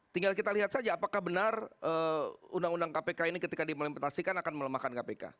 tinggal kita lihat saja apakah benar undang undang kpk ini ketika diimplementasikan akan melemahkan kpk